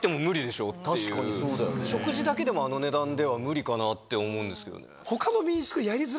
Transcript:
食事だけでもあの値段では無理かなって思うんですけどね。